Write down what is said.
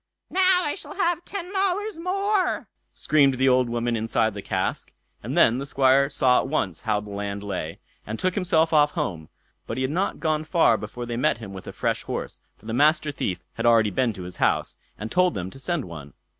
"Now I shall have ten dollars more!" screamed the old woman inside the cask; and then the Squire saw at once how the land lay, and took himself off home; but he had not gone far before they met him with a fresh horse, for the Master Thief had already been to his house, and told them to send one.